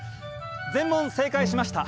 「全問正解しました」。